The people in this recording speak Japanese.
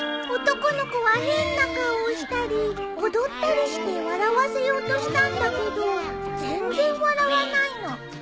男の子は変な顔をしたり踊ったりして笑わせようとしたんだけど全然笑わないの。